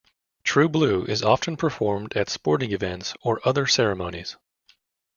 "True Blue" is often performed at sporting events or other ceremonies.